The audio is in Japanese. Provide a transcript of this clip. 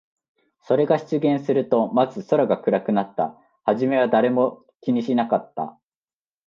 それが出現すると、まず空が暗くなった。はじめは誰も気にしなかった。